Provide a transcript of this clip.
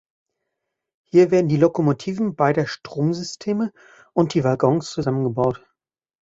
Hier werden die Lokomotiven beider Stromsysteme und die Waggons zusammengebaut.